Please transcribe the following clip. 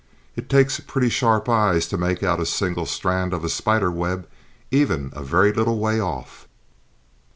It takes pretty sharp eyes to make out a single strand of a spider web, even a very little way off.